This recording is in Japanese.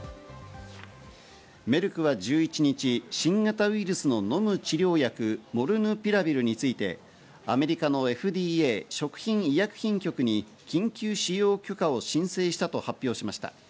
メルクは１１日、新型ウイルスの飲む治療薬、モルヌピラビルについてアメリカのＦＤＡ＝食品医薬品局に緊急使用許可を申請したと発表しました。